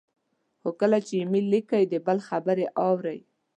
خو کله چې ایمیل لیکئ، د بل خبرې اورئ،